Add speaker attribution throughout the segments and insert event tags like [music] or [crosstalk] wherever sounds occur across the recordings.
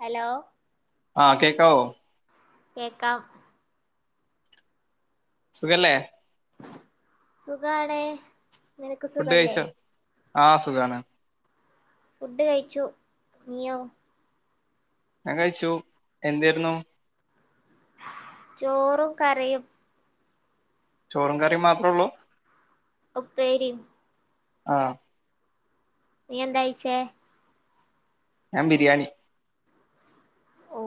Speaker 1: Hello
Speaker 2: ആഹ് കേക്കാവോ
Speaker 1: കേക്കാം
Speaker 2: സുഖല്ലേ
Speaker 1: സുഖാണെ നിനക്ക്
Speaker 2: ഫുഡ്
Speaker 1: സുഖല്ലേ
Speaker 2: കഴിച്ചോ ആഹ് സുഖാണ്
Speaker 1: ഫുഡ് കഴിച്ചു നീയോ
Speaker 2: ഞാൻ കഴിച്ചു എന്തേരുന്നു
Speaker 1: ചോറും കറിയും
Speaker 2: ചോറും കറിയും മാത്രേ ഉള്ളൂ
Speaker 1: ഒപ്പേരിം
Speaker 2: ആഹ്
Speaker 1: നീ എന്താ കഴിച്ചേ
Speaker 2: ഞാൻ ബിരിയാണി
Speaker 1: ഓ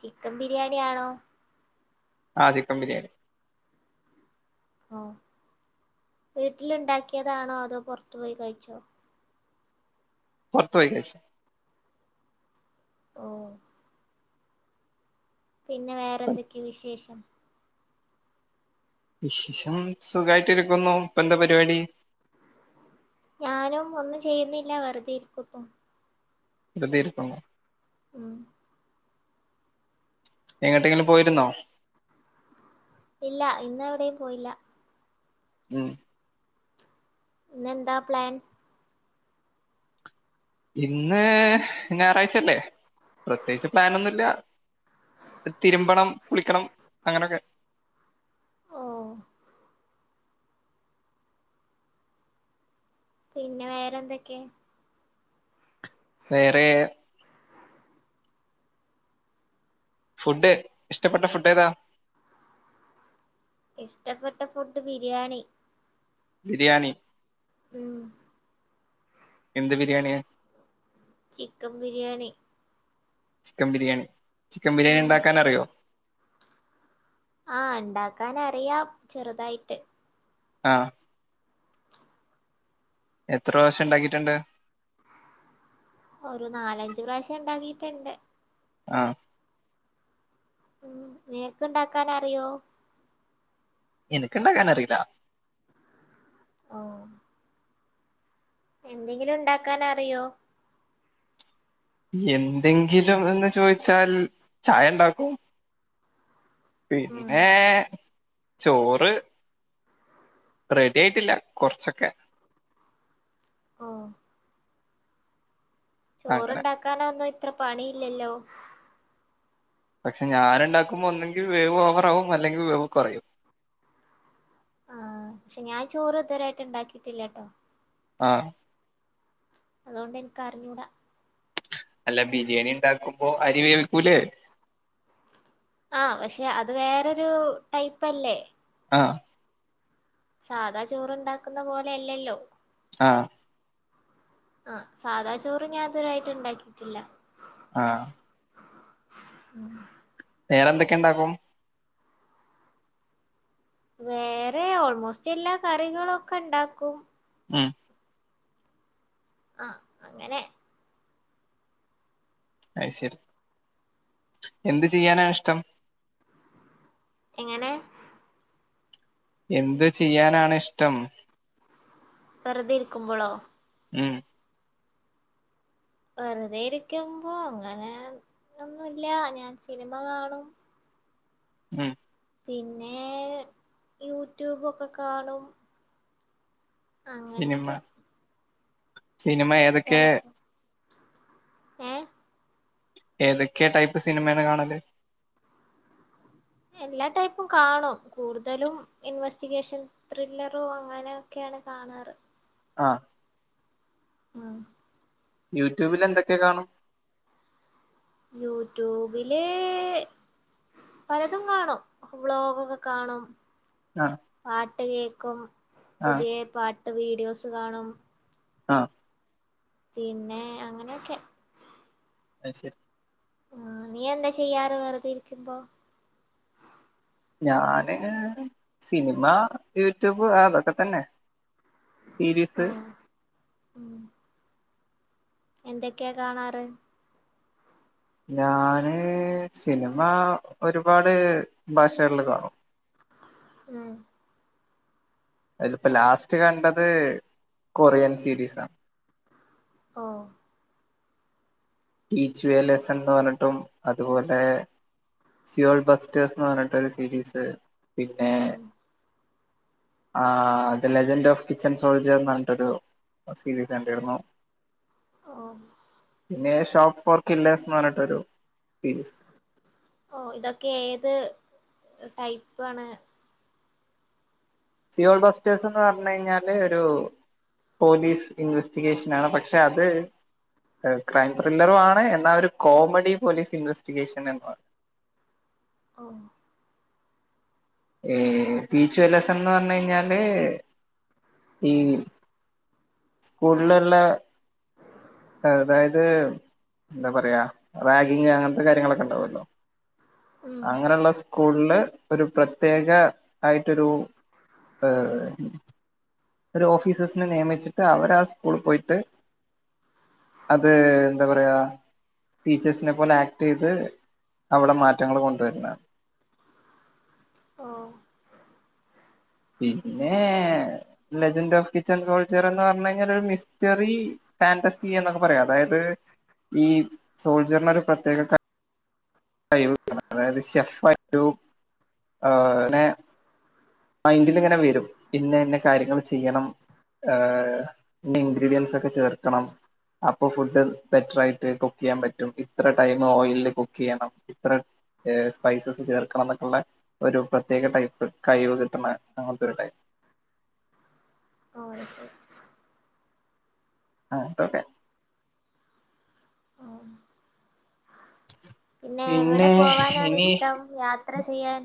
Speaker 1: ചിക്കൻ ബിരിയാണി ആണോ
Speaker 2: ആ ചിക്കൻ ബിരിയാണി
Speaker 1: ആ വീട്ടിലിണ്ടാക്കിയതാണോ അതോ പൊറത്തു പോയി കഴിച്ചോ
Speaker 2: പൊറത്ത് പോയി കഴിച്ച്
Speaker 1: ഓ പിന്നെ വേറെന്തൊക്കെയ വിശേഷം
Speaker 2: വിശേഷം സുഖായിട്ട് ഇരിക്കുന്നു ഇപ്പ എന്താ പരിപാടി
Speaker 1: ഞാനും ഒന്നും ചെയ്യുന്നില്ല വെറുതെ ഇരിക്കുന്നു
Speaker 2: വെറുതെ ഇരിക്കുന്നു
Speaker 1: ഉം
Speaker 2: എങ്ങേട്ടെങ്ങിലും പോയിരുന്നോ
Speaker 1: ഇല്ല ഇന്ന് എവിടെയും പോയില്ല
Speaker 2: ഉം
Speaker 1: ഇന്നെന്താ പ്ലാൻ
Speaker 2: ഇന്ന് ഞായറാഴ്ചയല്ലേ പ്രത്യേകിച്ച് പ്ലാനൊന്നില്ല തിരുമ്പണം കുളിക്കണം അങ്ങനൊക്കെ
Speaker 1: ഓ പിന്നെ വേറെ എന്തൊക്കെ
Speaker 2: വേറെ ഫുഡ്ഡ് ഇഷ്ടപ്പെട്ട ഫുഡ് ഏതാ
Speaker 1: ഇഷ്ടപ്പെട്ട ഫുഡ് ബിരിയാണി
Speaker 2: ബിരിയാണി
Speaker 1: ഉം
Speaker 2: എന്ത് ബിരിയാണിയ
Speaker 1: chicken biryani
Speaker 2: chicken biryani chicken biryani
Speaker 1: ഉം
Speaker 2: ഉണ്ടാക്കാന റിയോ
Speaker 1: ആ ഉണ്ടാക്കാനറിയാം ചെറുതായിട്ട്
Speaker 2: ആ എത്ര പ്രാവശ്യം ഇണ്ടാക്കീട്ടുണ്ട്
Speaker 1: ഒരു നാലഞ്ച് പ്രാവശ്യം ഉണ്ടാക്കിട്ടുണ്ട്
Speaker 2: ആ
Speaker 1: ഉ നിനക്കുണ്ടാക്കാൻ അറിയോ
Speaker 2: എനക്കുണ്ടാക്കാൻ അറിയില്ല
Speaker 1: ഓ എന്തെങ്കിലും ഉണ്ടാക്കാൻ അറിയോ
Speaker 2: എന്തെങ്കിലും എന്ന് ചോദിച്ചാൽ ചായ ഉണ്ടാക്കും
Speaker 1: ഉം
Speaker 2: പിന്നെ ചോറ് റെഡി ആയിട്ടില്ല കുറച്ചൊക്കെ
Speaker 1: ഓ
Speaker 2: അങ്ങനെ
Speaker 1: ചോറണ്ടാക്കാനൊ ഒന്നും അത്ര പണി ഇല്ലല്ലോ
Speaker 2: പക്ഷെ ഞാനുണ്ടാക്കുമ്പോ ഒന്നെങ്കിൽ വേവ് ഓവർ ആവും അല്ലെങ്കിൽ വേവ് കുറയും
Speaker 1: ആ ശനിയാഴ്തോറും ഇതുവരായിട്ട് ഉണ്ടാക്കിട്ടില്ലട്ടോ
Speaker 2: ആഹ
Speaker 1: അതുകൊണ്ടെനിക്കറിഞ്ഞൂടാ
Speaker 2: അല്ല ബിരിയാണി ഉണ്ടാക്കുമ്പോ അരി വേൽിക്കൂലേ
Speaker 1: ആ പക്ഷെ അത് വേറൊരു ടൈപ്പല്ലേ
Speaker 2: ആഹ
Speaker 1: സാധാ ചോറ്ണ്ടാക്കുന്ന പോലെ അല്ലല്ലോ
Speaker 2: ആഹ
Speaker 1: ആഹ സാധാ ചോറ് ഞാൻ അതൊരുായിട്ട് ഉണ്ടാക്കിട്ടില്ല
Speaker 2: ആഹ
Speaker 1: ഉം
Speaker 2: വേറെ എന്തൊക്കെയ ഉണ്ടാക്കും
Speaker 1: വേറെ ഓൾമോസ്റ്റ് എല്ലാ കറികളൊക്കെ ഉണ്ടാക്കും
Speaker 2: ആ
Speaker 1: ആഹ അങ്ങനെ
Speaker 2: അഐശര് എന്ത് ചെയ്യാനാ ഇഷ്ടം
Speaker 1: എങ്ങനെ
Speaker 2: എന്ത് ചെയ്യാനാണ ഇഷ്ടം
Speaker 1: വെറുതെ ഇരിക്കുമ്പോളോ
Speaker 2: ഉം
Speaker 1: വെറുതെ ഇരിക്കുമ്പോ അങ്ങനെ ഒന്നുമല്ല ഞാൻ സിനിമ കാണും
Speaker 2: ഉം
Speaker 1: പിന്നെ യൂട്യൂബൊക്കെ കാണും അങ്ങനെയൊക്കെ
Speaker 2: സിനിമ സിനിമ ഏതൊക്കെ
Speaker 1: ഏഹ പ
Speaker 2: ഏതൊക്ക്യാ ടൈപ്പ് സിനിമേണ് കാണല്
Speaker 1: എല്ലാ ടൈപ്പും കാണും കൂടുതലും ഇൻവെസ്റ്റിഗേഷൻ ത്രില്ലറും അങ്ങനെയൊക്കെയാണ് കാണാറ്
Speaker 2: ആഹ പ
Speaker 1: ഉം
Speaker 2: യൂട്യൂബിൽ എന്തൊക്കെ കാണും
Speaker 1: യൂട്യൂബിലെ പലതും കാണും. വ്ലോഗൊക്കെ കാണും
Speaker 2: ആ
Speaker 1: ആഹ് ആട്ട് ട്ട് കേൾക്കും
Speaker 2: ആ
Speaker 1: പുതിയ പാട്ട് വീഡിയോസ് കാണും.
Speaker 2: ആഹ്
Speaker 1: പിന്നെ അങ്ങനെയൊക്കെ.
Speaker 2: അത് ശരി.
Speaker 1: ആഹ് നീ എന്താ ചെയ്യാറ് വെറുതെയിരിക്കുമ്പോ?
Speaker 2: ഞാന് സിനിമ, യൂട്യൂബ് അതൊക്കെ തന്നെ. സീരീസ്
Speaker 1: ഉം ഉം എന്തൊക്കെയാ കാണാറ്?
Speaker 2: ഞാന് സിനിമ ഒരുപാട് ഭാഷകളില് കാണും.
Speaker 1: ഉം
Speaker 2: അതിലിപ്പോ ലാസ്റ്റ് കണ്ടത് കൊറിയൻ സീരീസാ.
Speaker 1: ഓഹ്
Speaker 2: ടീച്ച് യൂ എ ലെസ്സൺ എന്ന് പറഞ്ഞിട്ടും അതുപോലെ സിയോൾ ബെസ്റ്റേഴ്സ് എന്ന് പറഞ്ഞിട്ട് ഒരു സീരീസ് പിന്നെ
Speaker 1: ഉം
Speaker 2: ആഹ് the legend of kitchen soldier എന്ന് പറഞ്ഞിട്ടൊരു സീരീസ് കണ്ടിരുന്നു.
Speaker 1: ഓഹ്
Speaker 2: നേഷ് ടോപ്പ് ഫോർ കില്ലേഴ്സ് എന്ന് പറഞ്ഞിട്ടൊരു സീരീസ്
Speaker 1: ഓഹ് ഇതൊക്കെ ഏത് ടൈപ്പ് ആണ്?
Speaker 2: സിയോൾ ബസ്റ്റേഴ്സ് എന്ന് പറഞ്ഞു കഴിഞ്ഞാല് ഒരു പോലീസ് ഇൻവെസ്റ്റിഗേഷൻ ആണ്. പക്ഷെ അത് ക്രൈം ത്രില്ലറും ആണ്. എന്നാൽ ഒരു കോമഡി പോലീസ് ഇൻവെസ്റ്റിഗേഷനും ആണ്.
Speaker 1: ഓഹ്
Speaker 2: ഏഹ് ടീച്ച് യു എ ലെസ്സൺന്ന് പറഞ്ഞാല് ഈ സ്കൂളിലുള്ള അതായത് എന്താ പറയാ റാഗിങ് അങ്ങനത്തെ കാര്യങ്ങളൊക്കെ ഉണ്ടാവുമല്ലോ?
Speaker 1: ഉം
Speaker 2: അങ്ങനെയുള്ള സ് സ്കൂളിൽ ഒരു പ്രത്യേക ആയിട്ടൊരു ആ ഒരു ഓഫീസേഴ്സിനെ നിയമിച്ചി ത് അവർ ആ സ്കൂള പോയിട്ട് അത് എന്താ പറയാ ടീച്ചേഴ്സിനെ പോലെ ആക്ട് ചെയ്ത് അവിടെ മാറ്റങ്ങൾ കൊണ്ടുവരുന്ന.
Speaker 1: ഓ
Speaker 2: പിന്നെ ലെജൻഡറ് ഓഫ് കിച്ചൺ സോൾജർ എന്ന് പറഞ്ഞു കഴിഞ്ഞാൽ ഒരു മിസ്റ്ററി ഫാൻറസി എന്നൊക്കെ പറയാം, അതായത് ഈ സോൾജറിനൊ ഒരു പ്രത്യേക ക അയ്യോ അതായത് ഷെഫാരു ആ ന്നെ മൈൻഡിൽ ഇങ്ങനെ വരും, പിന്നെ ഇന്നെ കാര്യങ്ങൾ ചെയ്യണം ആ ഇന്ന. ഇൻഗ്രീഡിയൻസ് ഒക്കെ ചേർക്കണം അപ്പൊ ഫുഡ് ബെറ്റർയിട്ട് കുക്ക് ചെയ്യാൻ പറ്റും, ഇത്ര ടൈം ഓയിലില് കുക്ക് ചെയ്യണം ഇത്ര സ്പൈസസ് ചേർക്കണം എന്നൊക്കെുള്ള ഒരു പ്രത്യേക ടൈപ്പ് കഴിവ് കി തന്നെ അആനത ത്തെ ഒരുടൈ
Speaker 1: ഓ ശരി.
Speaker 2: ആതൊട്ടേ?
Speaker 1: ഓ പിന്നെ ഇവിടെ പോവാനാണ്
Speaker 2: ഇനി
Speaker 1: ഇഷ്ടം യാത്ര ചെയ്യാൻ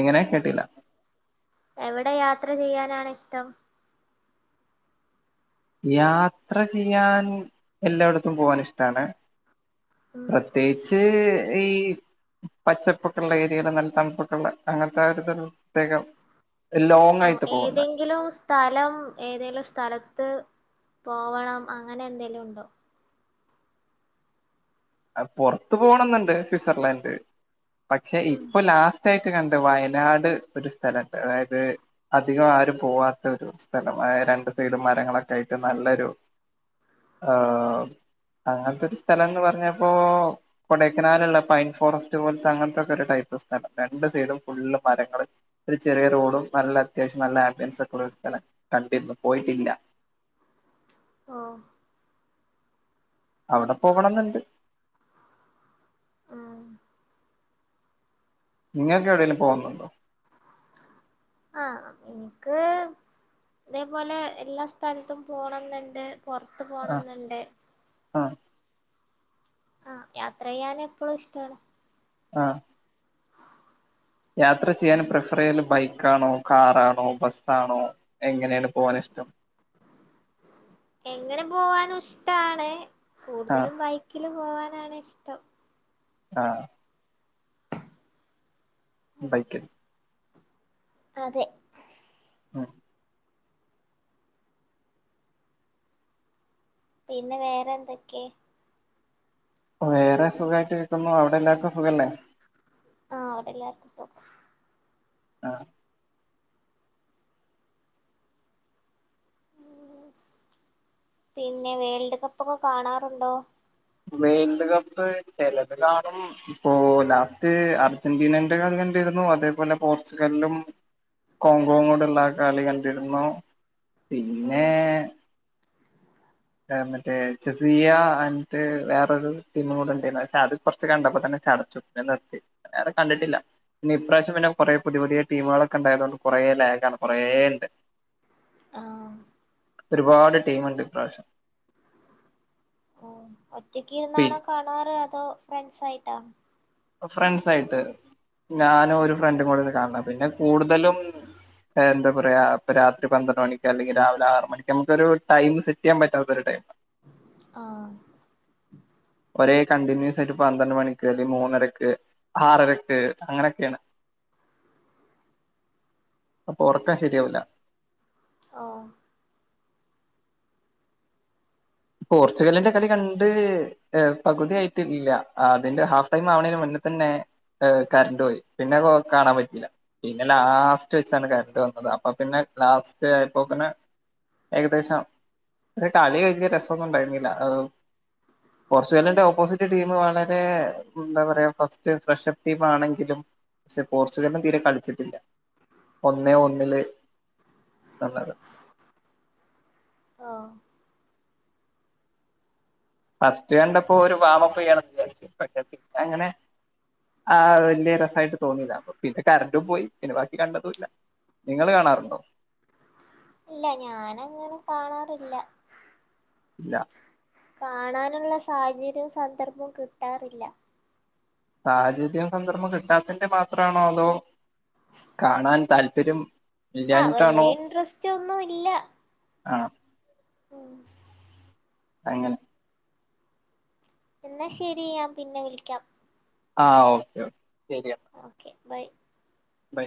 Speaker 2: എങ്ങനെ കേട്ടില്ല
Speaker 1: എവിടെ യാത്ര ചെയ്യാനാണ് ഇഷ്ടം
Speaker 2: യാത്ര ചെയ്യാൻ എല്ലായിടത്തും പോവാൻ ഇഷ്ടാണ്
Speaker 1: ഉം
Speaker 2: പ്രത്യേകിച്ച് ഈ പച്ചപ്പൊക്കുള്ള ഏരിയകയില നല്ല തണുപ്പൊക്കുള്ള അങ്ങനത്തെ ഒരു പ്രത്യേകം ലോങ്
Speaker 1: ഓ
Speaker 2: ആയിട്ട് പോകുന്ന
Speaker 1: ഏതെങ്കിലും സ്ഥലം ഏതെങ്കിലും സ്ഥലത്ത് പോവണം അങ്ങനെ എന്തെങ്കലും ഉണ്ടോ
Speaker 2: ആ പൊറത്തു പോണംന്നുണ്ട് സ്വിറ്റ്സർലാൻഡ് പക്ഷെ
Speaker 1: ഉം
Speaker 2: ഇപ്പൊ ലാസ്റ്റ് ട്ടായിട്ട് കണ്ട് വയനാട് ഒരു സ്ഥലുണ്ട് അതായത് അധികം ആരും പോവാത്ത ഒരു സ്ഥലം അ രണ്ട് സൈഡും മരങ്ങളൊക്കെ ആയിട്ട് നല്ലൊരു ഹ അങ്ങനത്തെ ഒരു സ്ഥലംന്ന് പറഞ്ഞ ഇപ്പോ കൊടക്കനാലുള്ള പൈൻ ഫോറസ്റ്റ് പോലത്തെ അങ്ങനത്തെക്കെ ഒരു ടൈപ്പ് ഓഫ് സ്ഥലം രണ്ട് സൈഡും ഫുള്ള് മരങ്ങള് ഒരു ചെറിയ റോഡും നല്ല അത്യാവശ്യം നല്ല ആംബിയൻസ് ഒക്കെ ഒരു സ്ഥലം കണ്ടിരുന്നു പോയിട്ടില്ല
Speaker 1: ഓ
Speaker 2: അവിടെ പോകണംന്നുണ്ട്
Speaker 1: ആഹ
Speaker 2: നിങ്ങൾക്ക് എവിടെേങ്കിലും പോകുന്നുണ്ടോ
Speaker 1: ആ എനിക്ക് അതേപോലെ എല്ലാ സ്ഥലത്തും പോണം എന്നുണ്ട് പൊറത്തു
Speaker 2: ആ
Speaker 1: പോണന്നൊണ്ടേ
Speaker 2: ആ
Speaker 1: ആഹ യാത്ര ചെയ്യാൻ എപ്പോഴും ഇഷ്ടമാണ്
Speaker 2: ആഹ യാത്ര ചെയ്യാൻ പ്രിഫർ ചെയ്യല് ബൈക്ക് ആണോ കാറാണോ ബസ്സാണോ എങ്ങനെയാണ് പോവാൻ ഇഷ്ടം
Speaker 1: എങ്ങനെ പോവാന ഇഷ്ടാണ്
Speaker 2: ആ
Speaker 1: കൂടുതലും ബൈക്കില് പോവാൻ ആണ് ഇഷ്ടം
Speaker 2: ആഹ്
Speaker 1: ഉം
Speaker 2: ബൈക്കിൽ
Speaker 1: അതെ
Speaker 2: ആ
Speaker 1: പിന്നെ വേറെ എന്തൊക്കെ
Speaker 2: വേറെ സുഖായിട്ട് വക്കുന്നു അവിടെ എല്ലാർക്കും സുഖല്ലേ
Speaker 1: ആഹ അവിടെല്ലാർക്കും സുഖം
Speaker 2: ആഹ
Speaker 1: പിന്നെ വേൾഡ് കപ്പൊക്കെ കാണാറുണ്ടോ
Speaker 2: വേൾഡ് കപ്പ് ചിലത് കാണും ഇപ്പോ ലാസ്റ്റ് അർജന്റീനന്റെ കളി കണ്ടിരുന്നു അതേപോലെ പോർച്ചുഗലിലും കോങ്കോങ്ങ കൂടെള്ള കളി കണ്ടിരുന്നു പിന്നെ
Speaker 1: ഉം
Speaker 2: മറ്റേ ചെസിയ എന്നട്ട് വേറൊരു ടീമും കൂടെ ഉണ്ടായിരുന്നു പക്ഷെ അത് കുറച്ച് കണ്ടപ്പോ തന്നെ ചടച്ചു പിന്നെ നിർത്തി നേരെ കണ്ടിട്ടില്ല പിന്നെ ഇപ്രാവശ്യം പിന്നെ കുറ പുതിയ പുതിയ ടീമുകളൊക്കെ ഉണ്ടായത കൊണ്ട് കുറേ ലാഗണ് കുറെേ ഉണ്ട്
Speaker 1: ആഹ
Speaker 2: ഒരുപാട് ടീം ഉണ്ട് ഇപ്രാവിഷം
Speaker 1: ആഹ ഒറ്റക്ക് ഇരുന്നാണ്
Speaker 2: പിന്നെ
Speaker 1: കാണാറ് തോ ഫ്രണ്ട്സ് ആയിട്ടാ
Speaker 2: ഫ്രണ്ട്സ ആയിട്ട് ഞാനും ഒരു ഫ്രണ്ടും കൂടെ കാണ പിന്നെ കൂടുതലും എന്താ പറയാ ഇ രാത്രി പന്ത്ര മണിക്ക് അല്ലെങ്കിൽ രാവിലെ ആറ മണിക്ക് നമുക്കൊരു ടൈം സെറ്റ് ചെയ്യാൻ പറ്റാത്തരു ടൈ
Speaker 1: ആ
Speaker 2: അല്ലെ മൂന്നരക്ക് ആറരക്ക് അങ്ങനെയൊക്കെയാണ് അപ്പൊ ഉറക്കം ശരിയാവില്ല
Speaker 1: ഓ
Speaker 2: പോർച്ചുഗലിന്റെ കളി കണ്ട് പകുതിയായിട്ടില്ല അതിന്റെ ഹാഫ് ടൈം ആവണന് മുന്നേ തന്നെ കറണ്ട് പോയി പിന്നെ കാണാൻ പറ്റിയില്ല പിന്നെ ലാസ്റ്റ് വെച്ചാണ് കറണ്ട് വന്നത് അപ്പൊ പിന്നെ ലാസ്റ്റ് ആയപ്പോ പിന്നെ ഏകദേശം കളി കഴിഞ്ഞ് ടെ ഒന്നുംണ്ടായിരുന്നില്ല ആ പോർച്ചുഗലിന്റെ ഓപ്പോസിറ്റ് ടീം വളരെ എന്താ പറയാ ഫസ്റ്റ് ഫ്രഷപ്പ് ടീം ആണെങ്കിലും പക്ഷെ പോർച്ചുഗലിനും തീരെ കളിച്ചിട്ടില്ല ഒന്നേ ഒന്നില് [inaudible]
Speaker 1: ആ
Speaker 2: ഫസ്റ്റ് കണ്ടപ്പോ ഒരു വാമപ്പ് ചെയ്യാണ്ച പക്ഷെ പിന്നെ അങ്ങനെ ആ വലിയ രസായിട്ട് തോന്നിത പിന്നെ കറൻ്റും പോയി പിന്നെ ബാക്കി കണ്ടതുംല്ല നിങ്ങള് കാണാറുണ്ടോ
Speaker 1: ഇല്ല ഞാന അങ്ങനെ കാണാറില്ല
Speaker 2: ഇല്ല
Speaker 1: കാണാനുള്ള സാഹചര്യവും സന്ദർഭവും കിട്ടാറില്ല
Speaker 2: സാഹചര്യം സന്ദർഭം കിട്ടാത്തിന്റെ മാത്രമാണോ അതോ കാണാൻ താല്പ തരും
Speaker 1: ആഹ് വല്യ ഇൻട്രസ്റ്റ് ഒന്നും ഇല്ല
Speaker 2: ആ
Speaker 1: ഉം
Speaker 2: അങ്ങനെ
Speaker 1: എന്നാ ശെരി ഞാൻ പിന്നെ വിളിക്കാം
Speaker 2: ആ ഓക്കെ ശരിയ
Speaker 1: വൈ
Speaker 2: ബൈ